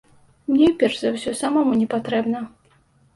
Мне, перш за ўсё, самому не патрэбна.